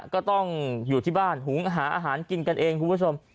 ก็ต้องอยู่ที่บ้านหุงหาอาหารกินกันเองคุณผู้ชม